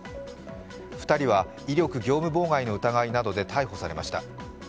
２人は威力業務妨害の疑いなどで逮捕されました。